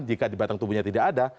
jika di batang tubuhnya tidak ada